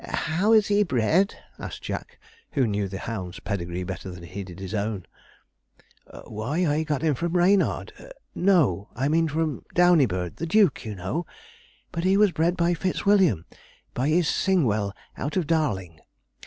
'How is he bred?' asked Jack, who knew the hound's pedigree better than he did his own. 'Why, I got him from Reynard no, I mean from Downeybird the Duke, you know; but he was bred by Fitzwilliam by his Singwell out of Darling.